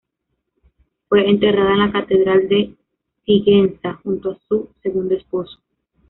Fue enterrada en la catedral de Sigüenza, junto a su segundo esposo.